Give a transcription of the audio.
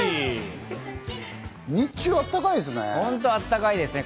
日中はあったかいですね。